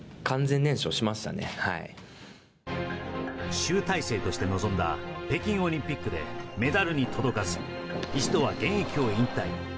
集大成として臨んだ北京オリンピックでメダルに届かず一度は現役を引退。